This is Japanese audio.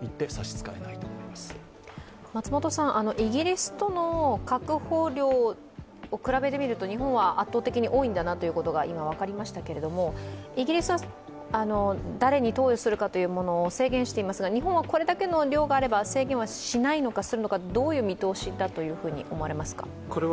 イギリスとの確保量を比べてみると、日本は圧倒的に多いんだなということが今分かりましたけれども、イギリスは誰に投与するか制限していますけれども日本はこれだけの量があれば制限はしないのかするのかどういう見通しだと思われますか？